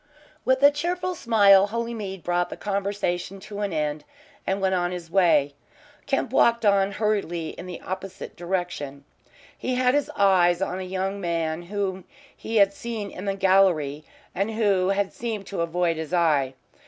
With a cheerful smile Holymead brought the conversation to an end and went on his way. Kemp walked on hurriedly in the opposite direction. He had his eyes on a young man whom he had seen in the gallery, and who had seemed to avoid his eye.